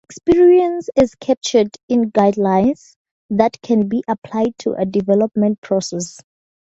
Experience is captured in guidelines that can be applied to a development process.